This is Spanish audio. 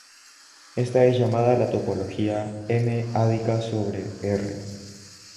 Esta es llamada la topología "m"-ádica sobre "R".